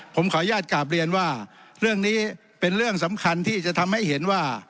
ผมขออนุญาตกลับเรียนว่าเรื่องนี้เป็นเรื่องสำคัญที่จะทำให้เห็นว่า